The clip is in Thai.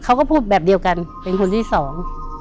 เขาก็พูดแบบเดียวกันเป็นคนที่สอง